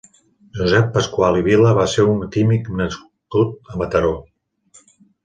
Josep Pascual i Vila va ser un químic nascut a Mataró.